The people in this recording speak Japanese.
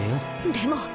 でも。